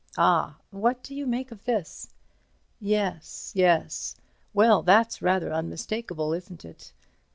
Ah! what do you make of this? Yes—yes—well, that's rather unmistakable, isn't it?